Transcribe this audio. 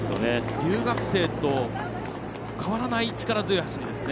留学生と変わらない力強い走りです。